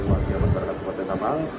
warga masyarakat kabupaten ketakang